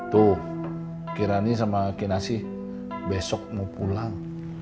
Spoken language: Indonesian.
tuh kirani sama kinasi besok mau pulang